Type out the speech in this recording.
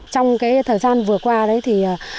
trong cái thời gian vừa qua đấy thì